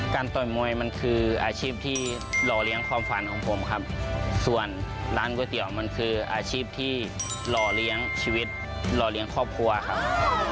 ต่อยมวยมันคืออาชีพที่หล่อเลี้ยงความฝันของผมครับส่วนร้านก๋วยเตี๋ยวมันคืออาชีพที่หล่อเลี้ยงชีวิตหล่อเลี้ยงครอบครัวครับ